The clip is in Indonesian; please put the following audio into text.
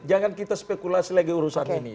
jangan kita spekulasi lagi urusan ini